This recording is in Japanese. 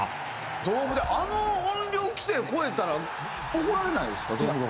ドームであの音量規制超えたら怒られないですか？